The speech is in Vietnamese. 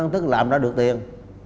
tức là làm ra được tiền